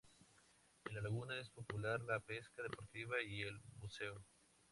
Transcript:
En la laguna es popular la pesca deportiva y el buceo.